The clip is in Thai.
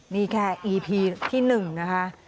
นี่แค่อีพีที่๑นะคะ